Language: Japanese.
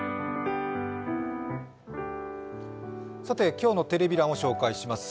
今日のテレビ欄を紹介します。